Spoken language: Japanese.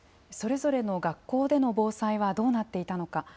それぞれの学校での防災はどうなっていたのか。